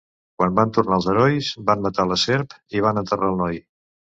Quan van tornar els herois van matar la serp i van enterrar el noi.